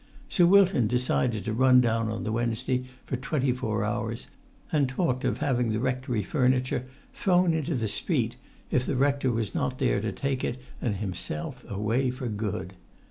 Sir Wilton decided to run down on the Wednesday for twenty four hours, and talked of having the rectory furniture thrown into the street if the rector was not there to take it and himself away for good.